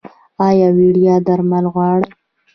ایا وړیا درمل غواړئ؟